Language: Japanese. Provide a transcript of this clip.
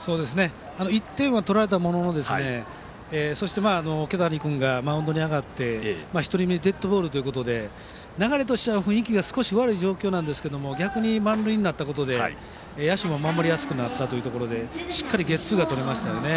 １点は取られたものの桶谷君がマウンドに上がって１人目、デッドボールで流れとしては雰囲気が少し悪い状況ですが逆に満塁になったことで野手も守りやすくなってしっかりゲッツーがとれました。